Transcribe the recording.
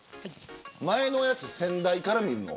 前のやつ、先代から見るの。